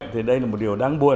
thì đây là một điều đáng buồn